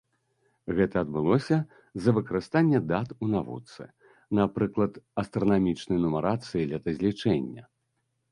Гэта адбылося з-за выкарыстанні дат у навуцы, напрыклад, астранамічнай нумарацыі летазлічэння.